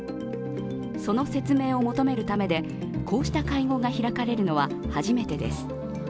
その説明を求めるためで、こうした会合が開かれるのは初めてです。